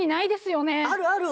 あるある。